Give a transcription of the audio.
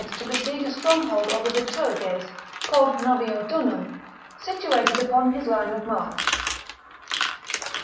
to besiege a stronghold of the Bituriges, called Noviodunum, situated upon his line of march.